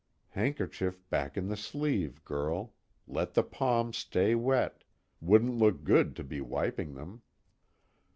_Handkerchief back in the sleeve, girl let the palms stay wet, wouldn't look good to be wiping them.